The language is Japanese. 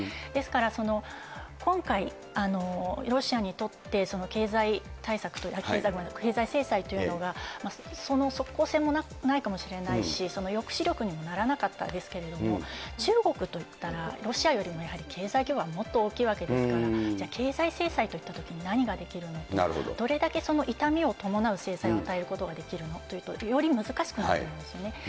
ですから、今回、ロシアにとって、経済制裁というのが即効性もないかもしれないし、抑止力にもならなかったですけれども、中国といったら、ロシアよりもやはり経済基盤はもっと大きいわけですから、じゃあ、経済制裁といったときに何ができるのか、どれだけ痛みを伴う制裁を与えることができるのかというと、より難しくなってくるんですよね。